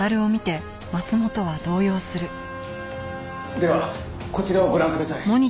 「ではこちらをご覧ください」